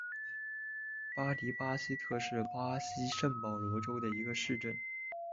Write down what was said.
巴迪巴西特是巴西圣保罗州的一个市镇。